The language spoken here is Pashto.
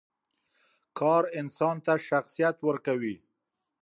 کار انسان ته شخصیت ورکوي.